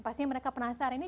pastinya mereka penasaran nih